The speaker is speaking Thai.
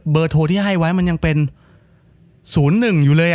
โทรที่ให้ไว้มันยังเป็น๐๑อยู่เลย